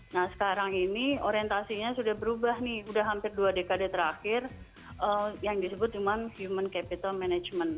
nah sekarang ini orientasinya sudah berubah nih udah hampir dua dekade terakhir yang disebut cuma human capital management